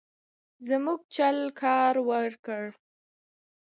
زموږ چل کار ورکړ.